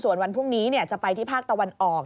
ส่วนวันพรุ่งนี้จะไปที่ภาคตะวันออก